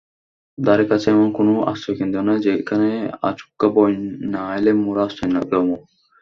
ধারেকাছে এমন কোনো আশ্রয়কেন্দ্র নাই যেহানে আচুক্কা বইন্যা আইলে মোরা আশ্রয় লমু।